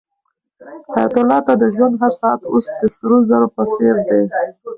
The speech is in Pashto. حیات الله ته د ژوند هر ساعت اوس د سرو زرو په څېر دی.